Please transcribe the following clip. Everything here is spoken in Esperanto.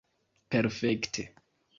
perfekte